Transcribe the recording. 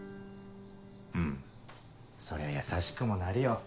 うんそりゃ優しくもなるよ